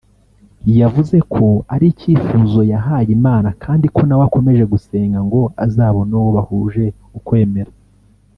yavuze ko ari icyifuzo yahaye Imana kandi ko nawe akomeje gusenga ngo azabone uwo bahuje ukwemera